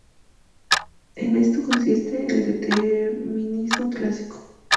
En esto consiste el determinismo clásico.